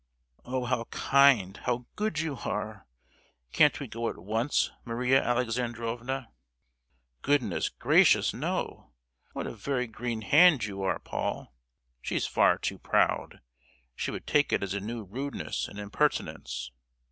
"Oh, how kind, how good you are! Can't we go at once, Maria Alexandrovna?" "Goodness gracious, no! What a very green hand you are, Paul! She's far too proud! she would take it as a new rudeness and impertinence!